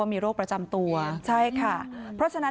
ตอนนี้ก็เพิ่งที่จะสูญเสียคุณย่าไปไม่นาน